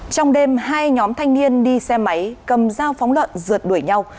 trong đêm hai nhóm thanh niên đi xe máy cầm dao phóng lợn rượt đuổi nhau